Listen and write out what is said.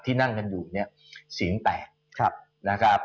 นั่งกันอยู่เนี่ยเสียงแตกนะครับ